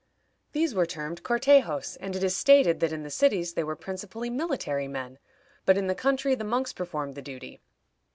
These were termed Cortejos, and it is stated that in the cities they were principally military men, but in the country the monks performed the duty.